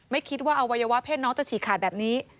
ไม่คิดว่าอวัยวะเพศน้องจะฉีกขาดแบบนี้